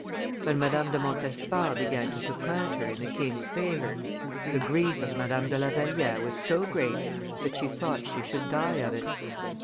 When Madame de Montespan began to supplant her in the king's favor, the grief of Madame de La Valliere was so great that she thought she should die of it.